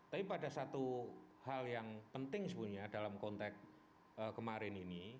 tapi pada satu hal yang penting sebenarnya dalam konteks kemarin ini